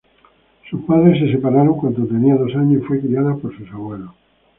Sus padres se separaron cuando tenía dos años y fue criada por sus abuelos.